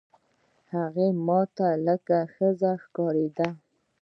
هغه ما ته لکه ښځه ښکارېده.